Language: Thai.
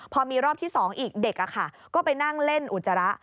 พอมีรอบที่๒อีกเด็กก็ไปนั่งเล่นอุจจาระ